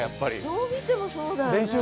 どう見てもそうだよね。